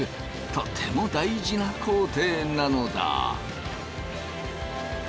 とても大事な工程なのだ。